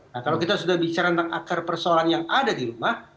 nah kalau kita sudah bicara tentang akar persoalan yang ada di rumah